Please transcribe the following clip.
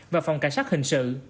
và phòng cảnh sát hình sự